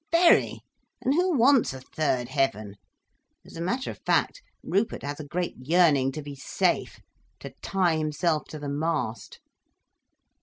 "Very! And who wants a third heaven? As a matter of fact, Rupert has a great yearning to be safe—to tie himself to the mast."